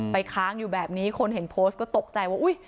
ค้างอยู่แบบนี้คนเห็นโพสต์ก็ตกใจว่าอุ๊ย